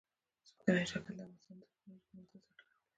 ځمکنی شکل د افغانستان د تکنالوژۍ پرمختګ سره تړاو لري.